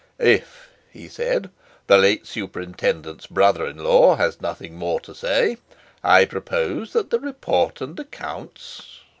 "If," he said, "the late superintendents brother in law has nothing more to say, I propose that the report and accounts...."